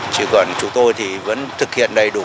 chứ còn chúng tôi thì vẫn thực hiện đầy đủ